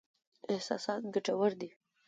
احساسات ګټور دي.